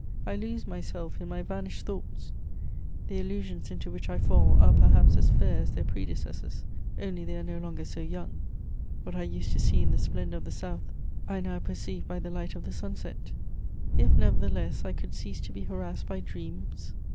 I lose myself in my vanished thoughts; the illusions into which I fall are perhaps as fair as their predecessors; only they are no longer so young: what I used to see in the splendour of the south, I now perceive by the light of the sunset. If, nevertheless, I could cease to be harassed by dreams!